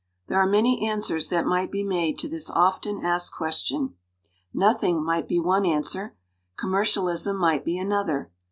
There are many answers that might be made to this of ten asked question. "Nothing" might be one answer. "Commer cialism" might be another.